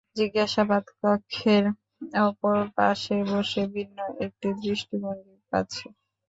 জিজ্ঞাসাবাদ কক্ষের অপর পাশে বসে ভিন্ন একটা দৃষ্টিভঙ্গি পাচ্ছি।